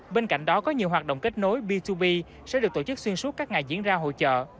bên cạnh đó có nhiều hoạt động kết nối b hai b sẽ được tổ chức xuyên suốt các ngày diễn ra hội chợ